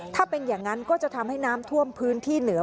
ถ้าเป็นอย่างนั้นก็จะทำให้น้ำท่วมพื้นที่เหนือ